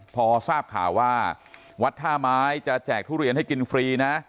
พอทราบข่าวว่าวัดท่าไม้จะแจกทุเรียนให้กินฟรีนะ